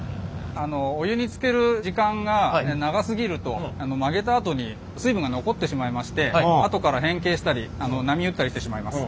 お湯につける時間が長すぎると曲げたあとに水分が残ってしまいましてあとから変形したり波打ったりしてしまいます。